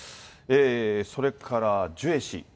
それからジュエ氏。